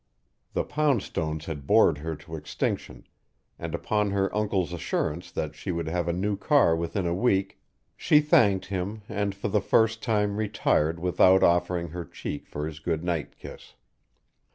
The Poundstones had bored her to extinction, and upon her uncle's assurance that she would have a new car within a week, she thanked him and for the first time retired without offering her cheek for his good night kiss.